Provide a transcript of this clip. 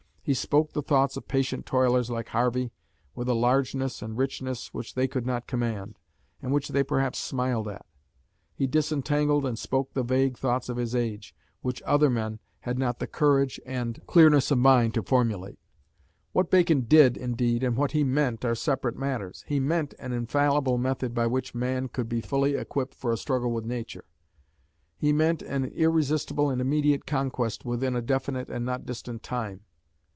He spoke the thoughts of patient toilers like Harvey with a largeness and richness which they could not command, and which they perhaps smiled at. He disentangled and spoke the vague thoughts of his age, which other men had not the courage and clearness of mind to formulate. What Bacon did, indeed, and what he meant, are separate matters. He meant an infallible method by which man should be fully equipped for a struggle with nature; he meant an irresistible and immediate conquest, within a definite and not distant time.